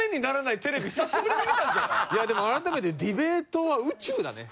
いやでも改めてディベートは宇宙だね。